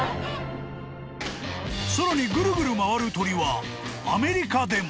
［さらにぐるぐる回る鳥はアメリカでも］